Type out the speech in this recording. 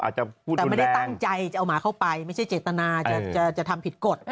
แต่ไม่ได้ตั้งใจจะเอาหมาเข้าไปไม่ใช่เจตนาจะทำผิดกฎ